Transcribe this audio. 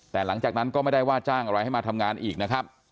แต่หลังจากนั้นก็ไม่ได้ว่าจ้างอะไรให้มาทำงานอีกนะครับ